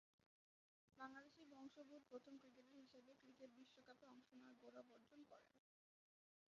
বাংলাদেশী বংশোদ্ভূত প্রথম ক্রিকেটার হিসেবে ক্রিকেট বিশ্বকাপে অংশ নেয়ার গৌরব অর্জন করেন।